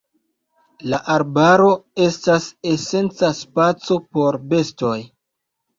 La arbaro estas esenca spaco por bestoj.